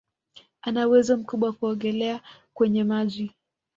Ana uwezo mkubwa kuogelea kwenye maji